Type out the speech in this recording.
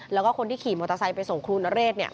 แล้วก็คนที่ขี่มอเตอร์ไซค์ไปส่งครูนเรศ